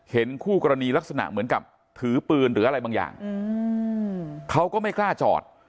คู่กรณีลักษณะเหมือนกับถือปืนหรืออะไรบางอย่างเขาก็ไม่กล้าจอด